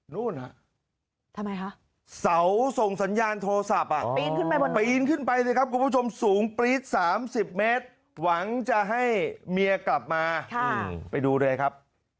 นู่นฮะทำไมคะเสาส่งสัญญาณโทรศัพท์อ่ะปีนขึ้นไปบนปีนขึ้นไปสิครับคุณผู้ชมสูงปรี๊ด๓๐เมตรหวังจะให้เมียกลับมาไปดูเลยครับ